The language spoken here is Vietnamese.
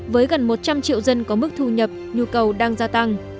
với gần một trăm linh triệu dân có mức thu nhập nhu cầu đang gia tăng